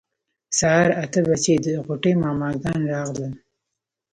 سهار اته بجې د غوټۍ ماما ګان راغلل.